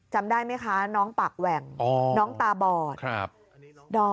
จำได้ไหมคะน้องปากแหว่งน้องตาบอด